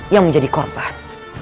yang menjadi korban